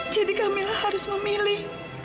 jadi kamila harus memilih